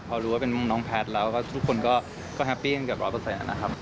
พอรู้ว่าเป็นน้องแพทย์แล้วก็ทุกคนก็แฮปปี้กันเกือบร้อยเปอร์เซ็นต์นะครับ